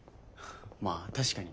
まあ確かに。